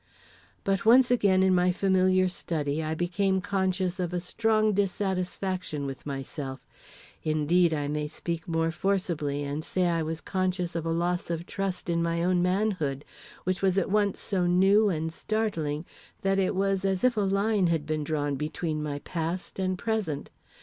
But once again in my familiar study, I became conscious of a strong dissatisfaction with myself. Indeed, I may speak more forcibly and say I was conscious of a loss of trust in my own manhood, which was at once so new and startling that it was as if a line had been drawn between my past and present.